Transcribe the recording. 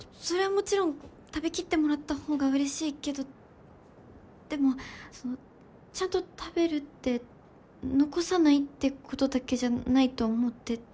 もちろん食べきってもらった方がうれしいけどでもちゃんと食べるって残さないってことだけじゃないと思ってて。